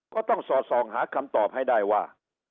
ก็ต้องสอดส่องหาคำตอบให้ได้ว่า